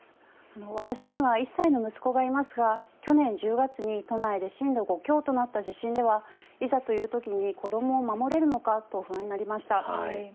私には１歳の息子がいますが去年１０月に都内で震度５強となった地震ではいざというときに子どもを守れるのかと不安になりました。